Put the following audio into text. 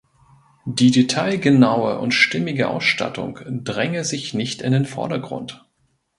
Die detailgenaue und stimmige Ausstattung dränge sich nicht in den Vordergrund.